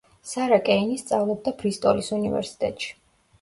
სარა კეინი სწავლობდა ბრისტოლის უნივერსიტეტში.